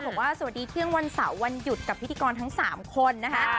บอกว่าสวัสดีเที่ยงวันเสาร์วันหยุดกับพิธีกรทั้ง๓คนนะคะ